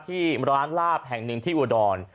ที่ร้านลาบแห่งหนึ่งที่อุดร